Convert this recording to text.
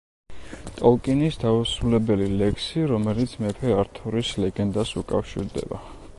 ტოლკინის დაუსრულებელი ლექსი, რომელიც მეფე ართურის ლეგენდას უკავშირდება.